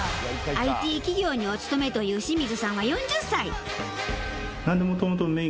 ＩＴ企業にお勤めという清水さんは４０歳。